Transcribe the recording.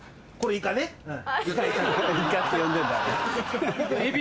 イカって呼んでんだあれ。